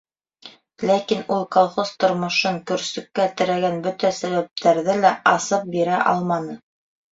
Ләкин ул колхоз тормошон көрсөккә терәгән бөтә сәбәптәрҙе лә асып бирә алманы.